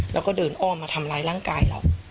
แล้วก็เดินอ้อมมาทำร้ายร่างกายเรา